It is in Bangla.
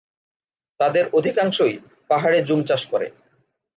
তাদের অধিকাংশই পাহাড়ে জুম চাষ করে।